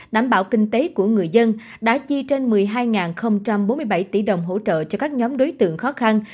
đảm bảo kinh tế của người dân đã chi trên một mươi hai bốn mươi bảy tỷ đồng hỗ trợ cho các nhóm đối tượng khó khăn